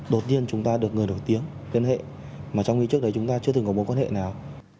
đột nhiên chúng ta được người nổi tiếng kênh hệ mà trong khi trước đấy chúng ta chưa từng có mối quan hệ nào